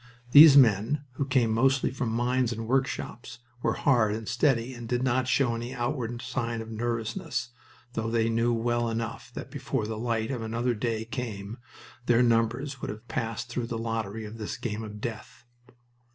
These men, who came mostly from mines and workshops, were hard and steady and did not show any outward sign of nervousness, though they knew well enough that before the light of another day came their numbers would have passed through the lottery of this game of death.